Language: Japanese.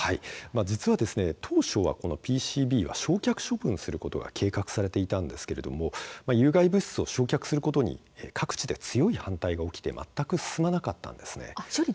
実は当初、ＰＣＢは焼却処分することが計画されていたんですけれども有害物質を焼却することに各地で強い反対が起きて全く進まなかったんです。